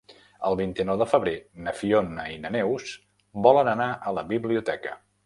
El vint-i-nou de febrer na Fiona i na Neus volen anar a la biblioteca.